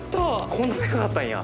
こんなでかかったんや。